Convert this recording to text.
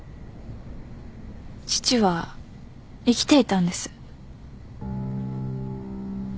父は生きていたんです。